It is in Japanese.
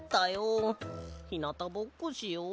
ひなたぼっこしよう。